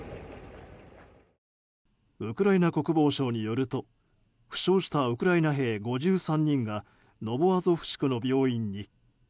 ウクライナ国防省によると負傷したウクライナ兵５３人がノボアゾフシクの病院に。